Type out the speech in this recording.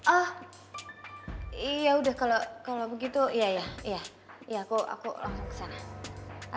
oh ya udah kalau begitu iya iya iya aku langsung kesana